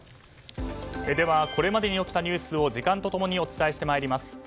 これまでに起きたニュースを時間と共にお伝えしてまいります。